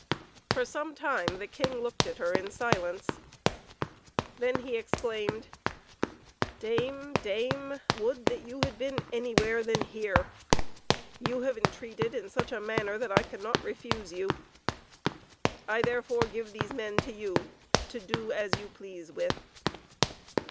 For some time the king looked at her in silence; then he exclaimed: "Dame, dame, would that you had been anywhere than here! You have entreated in such a manner that I cannot refuse you; I therefore give these men to you, to do as you please with."